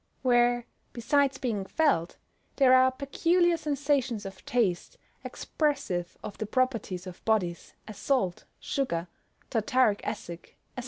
Where, besides being felt, there are peculiar sensations of taste, expressive of the properties of bodies, as salt, sugar, tartaric acid, &c.